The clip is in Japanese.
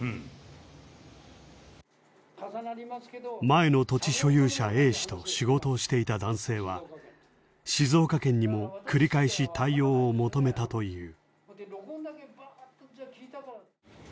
前の土地所有者Ａ氏と仕事をしていた男性は静岡県にも繰り返し対応を求めたという。